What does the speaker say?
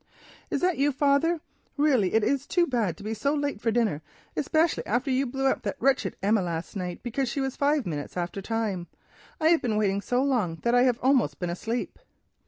"Is that you, father? Really it is too bad to be so late for dinner—especially after you blew up that wretched Emma last night because she was five minutes after time. I have been waiting so long that I have almost been asleep."